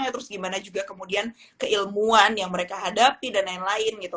terus gimana juga kemudian keilmuan yang mereka hadapi dan lain lain gitu